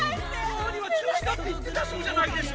工事は中止だって言ってたそうじゃないですか！